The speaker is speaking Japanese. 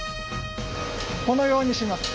このようにします。